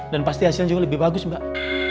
dan pasti hasilnya juga lebih bagus mbak